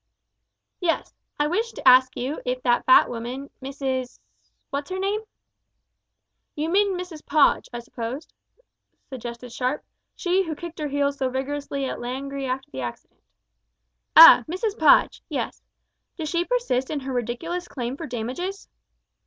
"Yes; I wished to ask you if that fat woman, Mrs , what's her name?" "You mean Mrs Podge, I suppose?" suggested Sharp; "she who kicked her heels so vigorously at Langrye after the accident." "Ah! Mrs Podge yes. Does she persist in her ridiculous claim for damages?"